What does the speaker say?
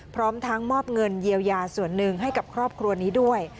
พร้อมทั้งมอบเงินเยียวยาส่วนหนึ่งให้กับครอบครัวนี้ด้วย